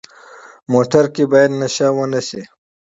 موټر کې باید نشه ونه شي.